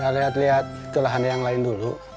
lihat lihat ke lahan yang lain dulu